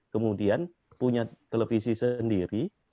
kemudian punya televisi sendiri